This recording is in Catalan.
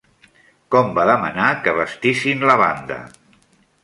Com va demanar que vestissin la banda?